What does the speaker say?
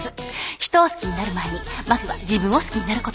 人を好きになる前にまずは自分を好きになること。